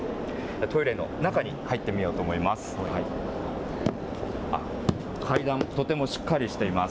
トイレの中に入ってみようと思います。